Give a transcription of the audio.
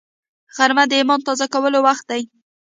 غرمه د ایمان تازه کولو وخت دی